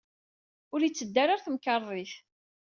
Ur yetteddu ara ɣer temkarḍit.